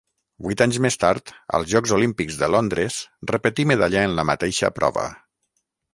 Vuit anys més tard, als Jocs Olímpics de Londres, repetí medalla en la mateixa prova.